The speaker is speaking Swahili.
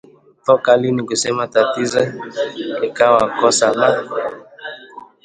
Toka lini kusema tatizo likawa kosa? Mmmh!